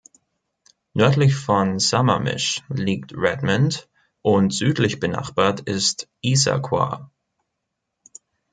Nördlich von Sammamish liegt Redmond und südlich benachbart ist Issaquah.